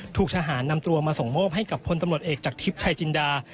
ถูกทหารนำตัวมาส่งมอบให้กับพลตำรวจเอกจากทิพย์ชายจินดา